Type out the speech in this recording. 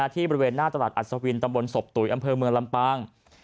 ที่บริเวณหน้าตลาดอัศวินตำบลศพตุ๋ยอำเภอเมืองลำปาง